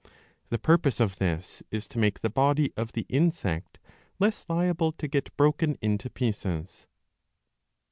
The purpose of this is to make the body of the insect less liable to get broken into pieces.'